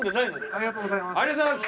ありがとうございます。